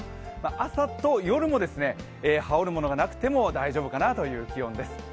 朝と夜も羽織るものがなくても大丈夫かなという気温です。